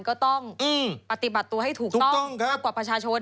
ก็ต้องปฏิบัติตัวให้ถูกต้องมากกว่าประชาชน